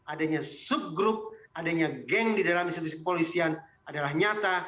adanya sub group adanya geng di dalam institusi kepolisian adalah nyata